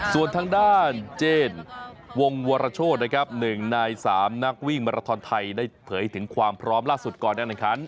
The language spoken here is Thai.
ส่วนทางด้านเจนวงวรโชธนะครับ๑ใน๓นักวิ่งมาราทอนไทยได้เผยถึงความพร้อมล่าสุดก่อนการแข่งขัน